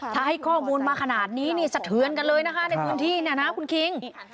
ถ้าให้ข้อมูลมาขนาดนี้นี่สะเทือนกันเลยนะคะในพื้นที่เนี่ยนะคุณคิง